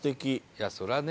いやそれはね